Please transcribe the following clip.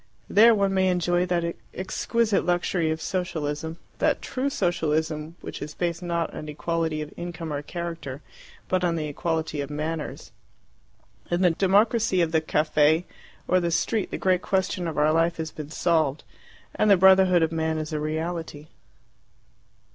There one may enjoy that exquisite luxury of Socialism that true Socialism which is based not on equality of income or character, but on the equality of manners. In the democracy of the caffe or the street the great question of our life has been solved, and the brotherhood of man is a reality.